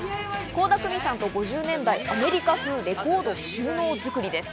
倖田來未さんと５０年代アメリカ風レコード収納作りです。